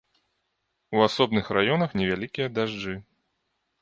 У асобных раёнах невялікія дажджы.